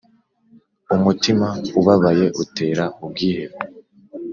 umutima ubabaye utera ubwihebe